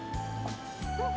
うん。